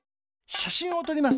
しゃしんをとります。